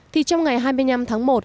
thì trong ngày hai mươi năm tháng một